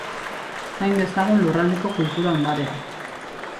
Zain dezagun lurraldeko kultura ondarea.